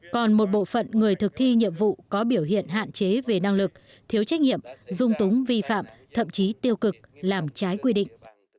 còn một bộ phận người thực thi nhiệm vụ có biểu hiện hạn chế về năng lực thiếu trách nhiệm dung túng vi phạm thậm chí tiêu cực làm trái quy định